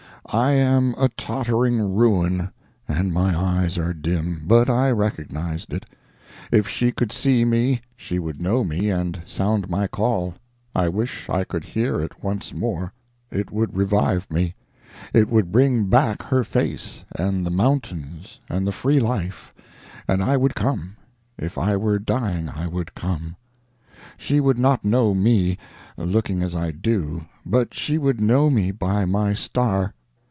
I am a tottering ruin and my eyes are dim, but I recognized it. If she could see me she would know me and sound my call. I wish I could hear it once more; it would revive me, it would bring back her face and the mountains and the free life, and I would come—if I were dying I would come! She would not know me, looking as I do, but she would know me by my star.